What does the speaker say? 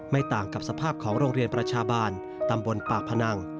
ต่างกับสภาพของโรงเรียนประชาบาลตำบลปากพนัง